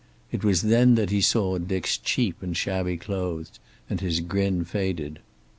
It was then that he saw Dick's cheap and shabby clothes, and his grin faded.